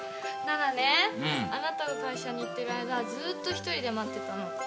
奈々あなたが会社に行ってる間ずーっと１人で待ってたの。